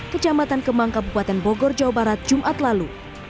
kecamatan kemang kabupaten bogor jawa barat jumat lalu